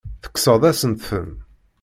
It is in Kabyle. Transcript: Tekkseḍ-asent-ten.